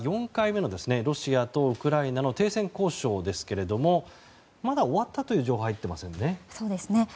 ４回目のロシアとウクライナの停戦交渉ですがまだ終わったという情報は入っていませんね？